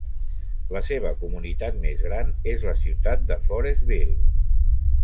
La seva comunitat més gran és la ciutat de Forestville.